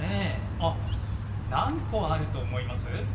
あっ何個あると思います？